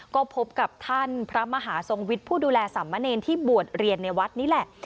ก็พบกับท่านพระมหาทรงวิทย์ผู้ดูแลสามเณรที่บวชเรียนในวัดนี่แหละ